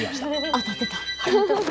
当たってた。